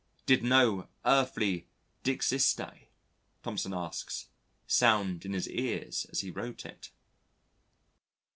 "Did no earthly dixisti," Thompson asks, "sound in his ears as he wrote it?"